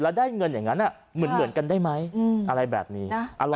แล้วได้เงินอย่างนั้นเหมือนกันได้ไหมอะไรแบบนี้